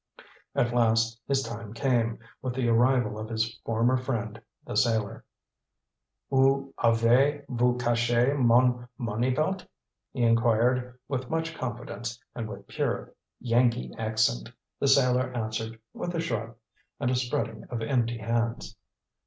At last his time came, with the arrival of his former friend, the sailor. "Oo avay voo cashay mon money belt?" he inquired with much confidence, and with pure Yankee accent. The sailor answered with a shrug and a spreading of empty hands.